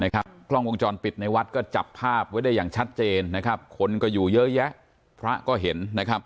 กล้องวงจรปิดในวัดก็จับภาพไว้ได้อย่างชัดเจนนะครับคนก็อยู่เยอะแยะพระก็เห็น